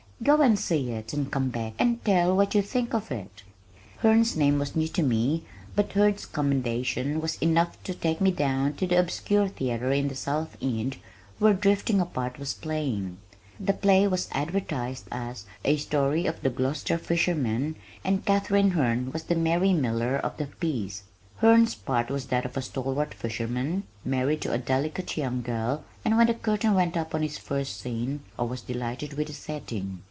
Go and see it and come back and tell what you think of it." Herne's name was new to me but Hurd's commendation was enough to take me down to the obscure theater in the South End where Drifting Apart was playing. The play was advertised as "a story of the Gloucester fishermen" and Katharine Herne was the "Mary Miller" of the piece. Herne's part was that of a stalwart fisherman, married to a delicate young girl, and when the curtain went up on his first scene I was delighted with the setting.